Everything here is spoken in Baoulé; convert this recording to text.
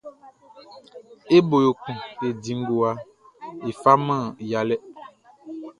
E bo yo kun e di ngowa, e faman ya lɛ.